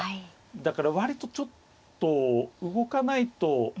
だから割とちょっと動かないと。